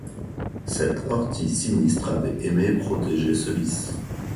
Cette ortie sinistre avait aimé et protégé ce lys.